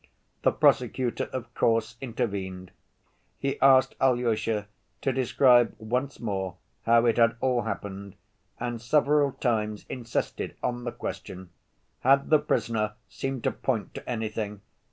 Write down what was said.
The prosecutor, of course, intervened. He asked Alyosha to describe once more how it had all happened, and several times insisted on the question, "Had the prisoner seemed to point to anything?